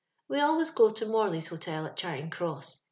We always go to Motley's Hotel, at Charing cross.